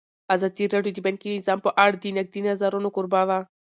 ازادي راډیو د بانکي نظام په اړه د نقدي نظرونو کوربه وه.